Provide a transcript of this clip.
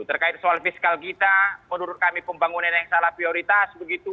terkait soal fiskal kita menurut kami pembangunan yang salah prioritas begitu